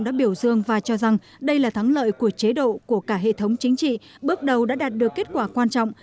đã biểu dương và cho rằng đây là thắng lợi của chế độ của cả hệ thống chính trị bước đầu đã đạt được kết quả quan trọng